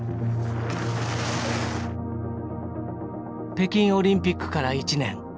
北京オリンピックから１年。